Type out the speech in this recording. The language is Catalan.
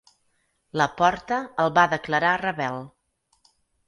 La Porta el va declarar rebel.